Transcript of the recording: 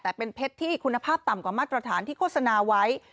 แต่เป็นเพชรที่คุณภาพต่ำกว่ามาตรฐานที่โฆษณาไว้